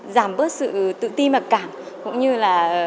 giảm bớt sự tự ti mặc cảm cũng như là